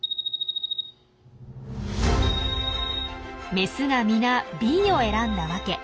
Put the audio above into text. メスが皆Ｂを選んだワケ。